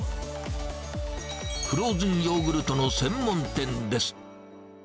フローズンヨーグルトの専門店です。